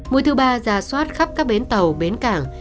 mùi thứ ba già soát khắp các bến tàu bến cảng